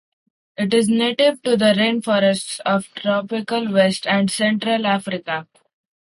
It is native to the rainforests of tropical West and Central Africa.